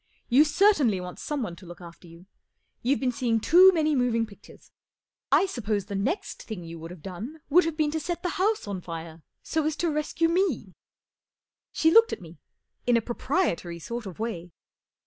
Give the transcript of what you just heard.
You certainly. want someone to look after U NI v ERSITY 0 F Ml C H IGA N lG2 Scoring Off Jeeves you* You've been seeing too many moving pictures, I suppose the next thing you would have done would have been to set the house on tire so as to rescue me," She looked at me in a proprietary sort of way.